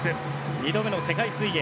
２度目の世界水泳。